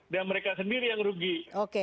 dan mereka sendiri yang rugi oke